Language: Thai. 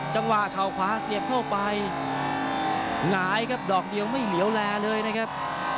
จะและเข้าไปนายครับดอกเดียวไม่เหลี้ยวแลเลยครับ